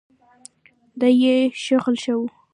دا يې شغل شو.